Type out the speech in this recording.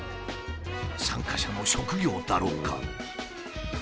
参加者の職業だろうか？